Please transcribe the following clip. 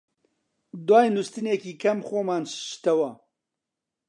دوای نووستنێکی کەم خۆمان شتەوە